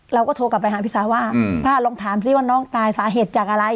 เราก็โทรกลับไปหาพี่สาวว่าป้าลองถามสิว่าน้องตายสาเหตุจากอะไร